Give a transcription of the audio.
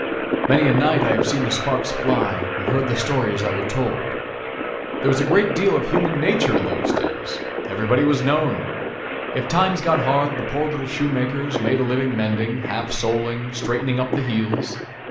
Many a night have I seen the sparks fly and heard the stories that were told. There was a great deal of human nature in those days! Everybody was known. If times got hard, the poor little shoemakers made a living mending, half soling, straightening up the heels.